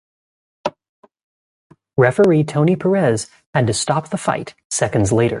Referee Tony Perez had to stop the fight seconds later.